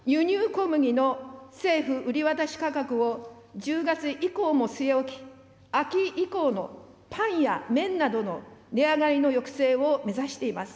食料品については、輸入小麦の政府売り渡し価格を１０月以降も据え置き、秋以降のパンや麺などの値上がりの抑制を目指しています。